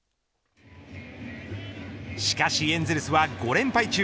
しかしエンゼルスは５連敗中。